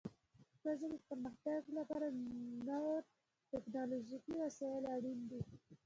د پښتو ژبې پرمختګ لپاره نور ټکنالوژیکي وسایل اړین دي.